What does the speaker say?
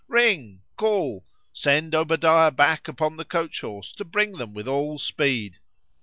—Ring;—call;—send Obadiah back upon the coach horse to bring them with all speed.